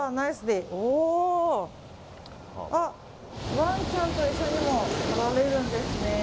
ワンちゃんと一緒にも来られるんですね。